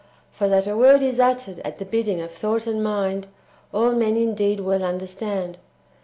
For that a word is uttered at the bidding of thought and mind, all men indeed well understand.